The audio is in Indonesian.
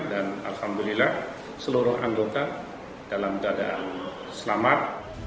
dan alhamdulillah seluruh andorra dalam keadaan selamat